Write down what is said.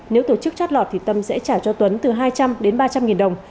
nếu tổ chức chót lọt thì tâm sẽ trả cho tuấn từ hai trăm linh đến ba trăm linh nghìn đồng